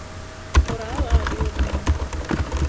Oraz ajy ýuwdundy.